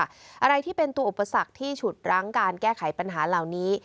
อะไรที่เป็นตัวอุปสรรคที่ฉุดรั้งการแก้ไขปัญหาเหล่านี้